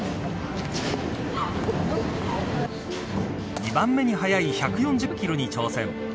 ２番目に速い１４０キロに挑戦。